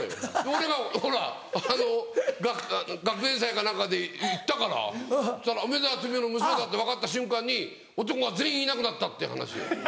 俺がほらあの学園祭か何かで行ったから梅沢富美男の娘だって分かった瞬間に男が全員いなくなったって話よ。